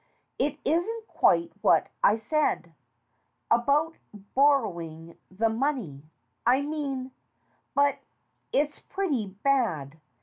"It isn't quite what I said about borrowing the money, I mean but it's pretty bad.